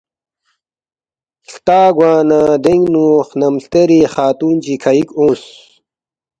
ہلتا گوا نہ دینگ نُو خنم ہلتری خاتُون چی کھئِک اونگس